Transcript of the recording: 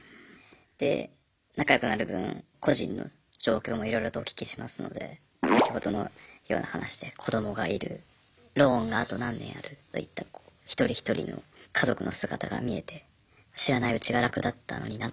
で仲良くなるぶん個人の状況もいろいろとお聞きしますので先ほどのような話で子どもがいるローンがあと何年あるといった一人一人の家族の姿が見えて知らないうちが楽だったのになと。